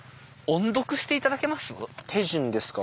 手順ですか。